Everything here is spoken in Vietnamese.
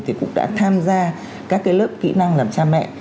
thì cũng đã tham gia các cái lớp kỹ năng làm cha mẹ